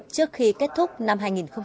trước khi kết thúc năm hai nghìn một mươi năm